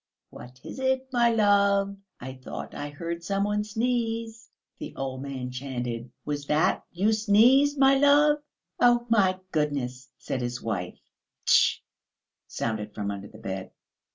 "What is it, my love? I thought I heard some one sneeze," the old man chanted. "Was that you sneezed, my love?" "Oh, goodness!" said his wife. "Tch!" sounded from under the bed.